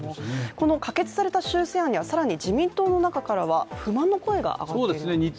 この可決された修正案には更に自民党の中から不満の声が上がってるんですね。